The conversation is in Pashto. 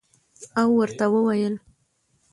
او ورته ووېل